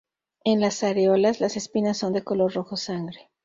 En las areolas las espinas son de color rojo sangre.